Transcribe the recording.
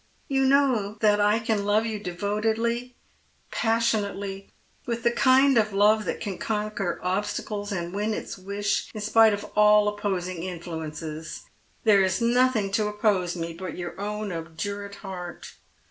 You know that I love you devotedly, passionately, with the kind of love that can conquer obstacles and win its wish in spite of all opposing in fluences. There is nothing to oppose me but your own obdurate heart.